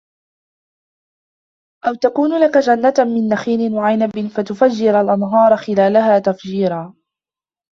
أَوْ تَكُونَ لَكَ جَنَّةٌ مِنْ نَخِيلٍ وَعِنَبٍ فَتُفَجِّرَ الْأَنْهَارَ خِلَالَهَا تَفْجِيرًا